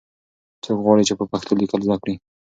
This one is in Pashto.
څوک غواړي چې په پښتو لیکل زده کړي؟